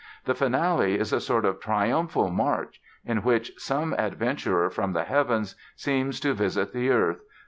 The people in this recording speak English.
The Finale is a sort of triumphal march in which "some adventurer from the heavens seems to visit the earth